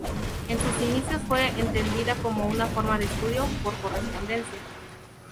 En sus inicios fue entendida como una forma de estudio por correspondencia.